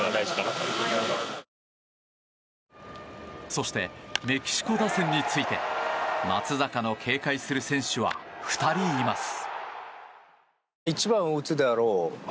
そしてメキシコ打線について松坂の警戒する選手は２人います。